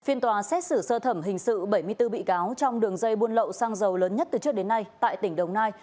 phiên tòa xét xử sơ thẩm hình sự bảy mươi bốn bị cáo trong đường dây buôn lậu xăng dầu lớn nhất từ trước đến nay tại tỉnh đồng nai